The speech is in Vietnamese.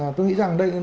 tôi nghĩ rằng